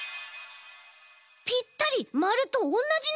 ぴったりまるとおんなじながさだ！